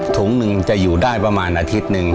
ถุงหนึ่งจะอยู่ได้ประมาณอาทิตย์หนึ่ง